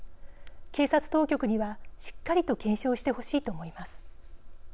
警察当局には、しっかりと検証してほしいと思います。